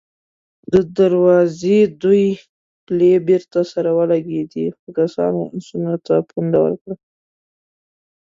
د دروازې دوې پلې بېرته سره ولګېدې، څو کسانو آسونو ته پونده ورکړه.